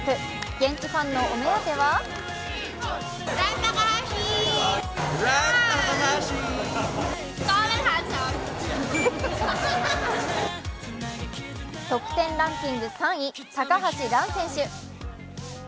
現地ファンのお目当ては得点ランキング３位高橋藍選手。